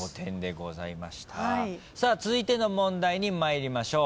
さあ続いての問題に参りましょう。